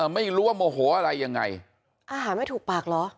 ไม่รู้ว่าโมโหอะไรยังไงอาหารไม่ถูกปากเหรอ